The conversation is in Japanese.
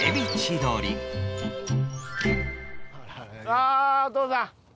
ああお父さん。